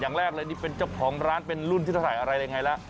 อย่างแรกเลยนี่เป็นเจ้าของร้านเป็นรุ่นที่เท่าไหร่อะไรยังไงล่ะ